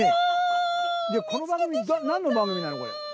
この番組何の番組なのこれ。